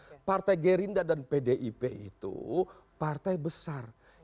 karena partai gerindra dan pdip itu partai besar